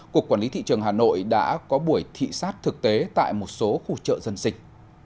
cục quản lý thị trường hà nội đã có buổi thị sát thực tế tại một số khu chợ dân sinh